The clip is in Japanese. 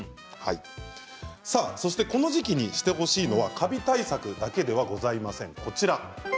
そしてこの時期にしてほしいのはカビ対策だけではございません。